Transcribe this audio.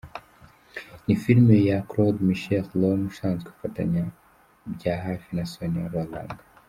Ni film ya Claude-Michel Rome, usanzwe afatanya bya hafi na Sonia Rolland.